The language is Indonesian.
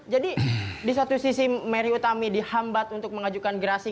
jadi di satu sisi mary utami dihambat untuk mengajukan kasasi